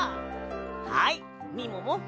はいみもも。